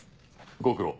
ご苦労。